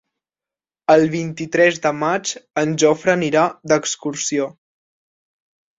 El vint-i-tres de maig en Jofre anirà d'excursió.